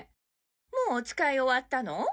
もうお使い終わったの？